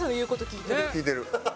聞いてる。